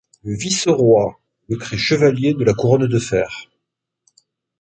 Le vice-roi le crée chevalier de la Couronne de fer.